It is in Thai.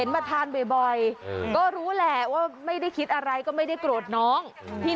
แม่ค้าเขาจะไม่ถามหรอก